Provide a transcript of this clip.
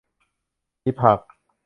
มีผัก